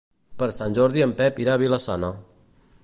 Per Sant Jordi en Pep irà a Vila-sana.